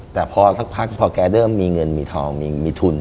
แต่พอสักพักพอแกเริ่มมีเงินมีทองมีทุน